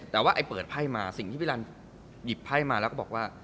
แต่ว่าไอ้เปิดไพ่มาสิ่งที่พี่รันหยิบไพ่มาแล้วก็บอกว่า